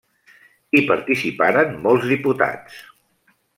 Hi participaren molts diputats.